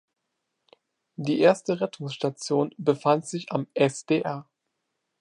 Die erste Rettungsstation befand sich am Sdr.